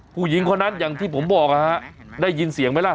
ผู้หญิงคนนั้นอย่างที่ผมบอกนะฮะได้ยินเสียงไหมล่ะ